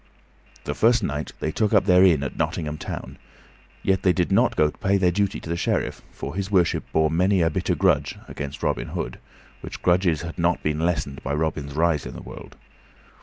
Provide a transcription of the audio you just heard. The first night they took up their inn at Nottingham Town, yet they did not go to pay their duty to the Sheriff, for his worship bore many a bitter grudge against Robin Hood, which grudges had not been lessened by Robin's rise in the world.